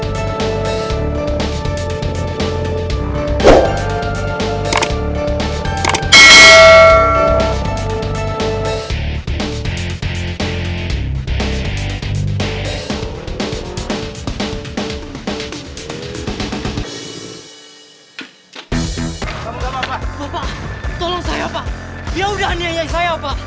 sampai jumpa di video selanjutnya